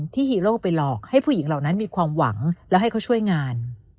ฮีโร่ไปหลอกให้ผู้หญิงเหล่านั้นมีความหวังแล้วให้เขาช่วยงาน